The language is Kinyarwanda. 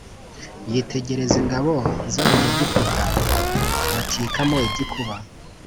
yitegereza ingabo z’abanyegiputa, bacikamo igikuba.